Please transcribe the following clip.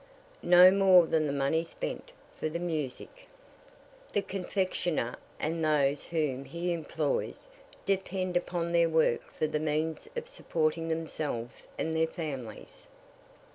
"No more than the money spent for the music. The confectioner and those whom he employs depend upon their work for the means of supporting themselves and their families."